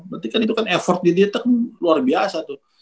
berarti kan itu kan effort di detek kan luar biasa tuh